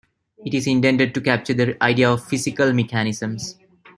It is intended to capture the idea of "physical mechanisms".